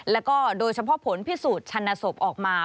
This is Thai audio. แล้วก็โดยเฉพาะผลพิสูจน์ชันศพออกมา